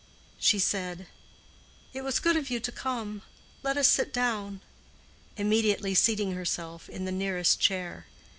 She said, "It was good of you to come. Let us sit down," immediately seating herself in the nearest chair.